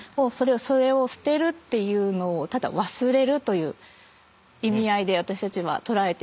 それを捨てるっていうのをただ忘れるという意味合いで私たちは捉えています。